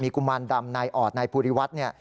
มีกุมารดำในออดในภูริวัฒน์